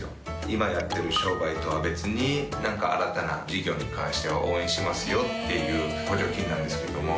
今やってる商売とは別になんか新たな事業に関しては応援しますよっていう補助金なんですけども。